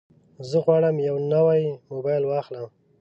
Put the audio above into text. زه غواړم یو نوی موبایل واخلم.